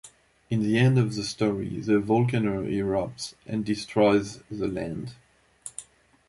In the end of the story the volcano erupts and destroys the land.